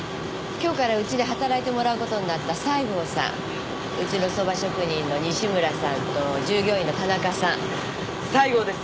今日からうちで働いてもらうことになった西郷さんうちのそば職人の西村さんと従業員の田中さん西郷です